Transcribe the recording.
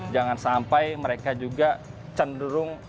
jangan sampai mereka juga cenderung ya acuh ya